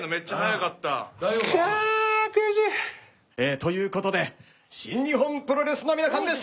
か悔しい！ということで新日本プロレスの皆さんでした！